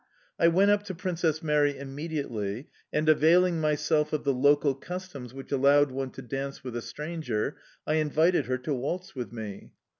I went up to Princess Mary immediately, and, availing myself of the local customs which allowed one to dance with a stranger, I invited her to waltz with me.